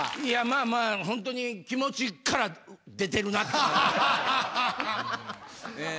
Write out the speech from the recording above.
いやまあまあほんとに気持ちから出てるなって。